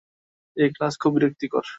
এই, ক্লাস খুব বিরক্তিকর।